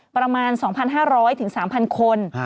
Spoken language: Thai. ประมาณ๒๕๐๐๓๐๐คน